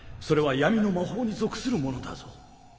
それは闇の魔法に属するものだぞ